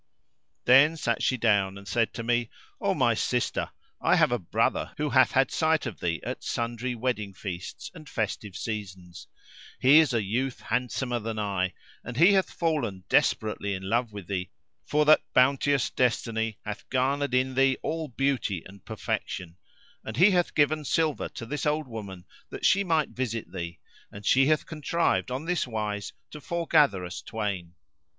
Then sat she down and said to me, "O my sister, I have a brother who hath had sight of thee at sundry wedding feasts and festive seasons: he is a youth handsomer than I, and he hath fallen desperately in love with thee, for that bounteous Destiny hath garnered in thee all beauty and perfection; and he hath given silver to this old woman that she might visit thee; and she hath contrived on this wise to foregather us twain.